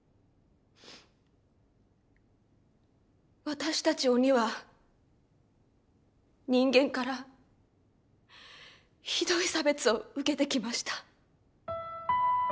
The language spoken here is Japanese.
私たち鬼は人間からひどい差別を受けてきました。